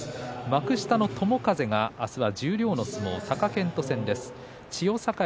幕下の友風が十両の相撲貴健斗戦です。